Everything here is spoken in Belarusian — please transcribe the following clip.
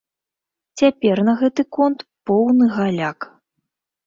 Цяпер на гэты конт поўны галяк.